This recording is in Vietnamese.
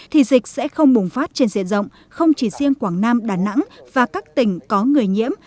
thì dịch sẽ không bùng phát trên diện rộng không chỉ riêng quảng nam đà nẵng và các tỉnh có người nhiễm